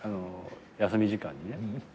休み時間にね。